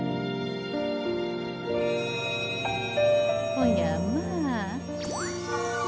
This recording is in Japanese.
おやまあ。